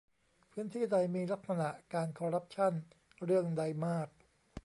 พื้นที่ใดมีลักษณะการคอร์รัปชั่นเรื่องใดมาก